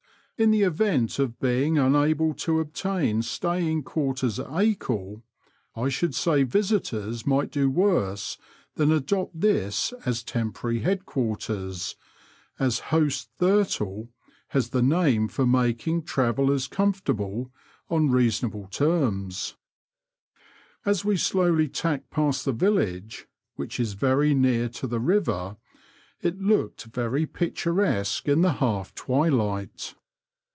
In the event of being unable to obtain staying quarters at Acle, I should say visitors might do worse than adopt this as temporary headquarters, as Host Thirtle has the name for making travellers comfortable on reasonable termg. Digitized by VjOOQIC ST OLAVES TO YAKMOUTH AND ACLE. 68 As we slowly tacked past the village, which is very near to the river, it looked very picturesque in the half twilight.